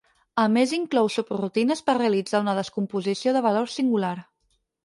A més inclou subrutines per realitzar una descomposició de valor singular.